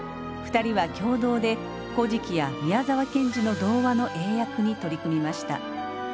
２人は共同で「古事記」や宮沢賢治の童話の英訳に取り組みました。